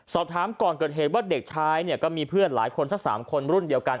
สอบถามก่อนเกิดเหตุว่าเด็กชายเนี่ยก็มีเพื่อนหลายคนสัก๓คนรุ่นเดียวกัน